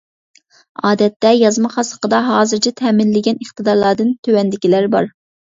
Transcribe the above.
ئادەتتە يازما خاسلىقىدا ھازىرچە تەمىنلەنگەن ئىقتىدارلاردىن تۆۋەندىكىلەر بار.